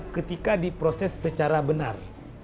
ketika diproses secara benar